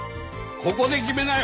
ここで決めなよ